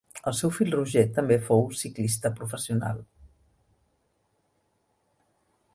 El seu fill Roger també fou ciclista professional.